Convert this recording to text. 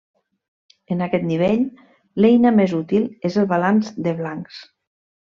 En aquest nivell, l'eina més útil és el balanç de blancs.